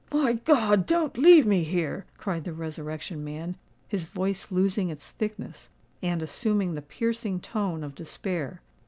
"My God! don't leave me here," cried the Resurrection Man, his voice losing its thickness and assuming the piercing tone of despair.